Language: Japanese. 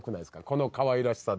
このかわいらしさで。